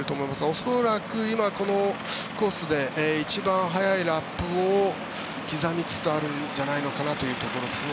恐らく今、このコースで一番速いラップを刻みつつあるんじゃないのかなというところですね。